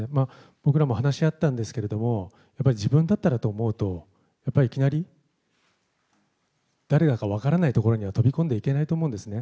僕らも話し合ったんですけども、やっぱり自分だったらと思うと、やっぱり、いきなり誰だか分からないところには飛び込んではいけないと思うんですね。